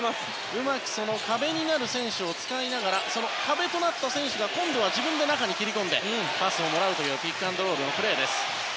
うまく壁になる選手を使いながら壁となった選手が今度は自分が中に切り込んでパスをもらうというピックアンドロールのプレー。